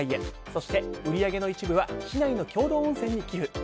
そして売り上げの一部は市内の共同温泉に寄付。